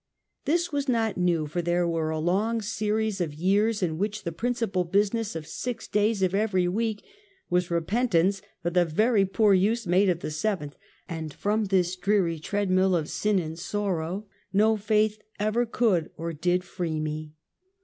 This was not new, for there were a long series of years in which the principal business of six days of every week, was repentance for the very poor use made of the seventh, and from this dreary treadmill of sin and sorrow, no faith ever could or did free me.